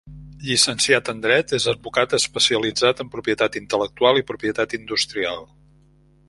Llicenciat en dret, és advocat especialitzat en propietat intel·lectual i propietat industrial.